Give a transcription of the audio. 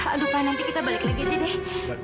aduh pak nanti kita balik lagi aja deh